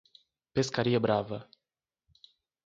Pescaria Brava